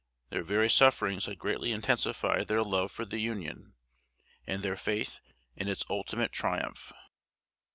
Their very sufferings had greatly intensified their love for the Union, and their faith in its ultimate triumph.